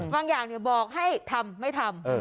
บางอย่างบอกให้ทำไม่ทำ